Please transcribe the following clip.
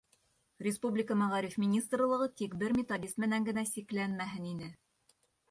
Республика Мәғариф министрлығы тик бер методист менән генә сикләнмәһен ине.